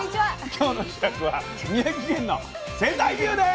今日の主役は宮城県の仙台牛です！